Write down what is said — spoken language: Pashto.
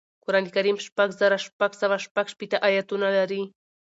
قرآن کریم شپږ زره شپږسوه شپږشپیتمه اياتونه لري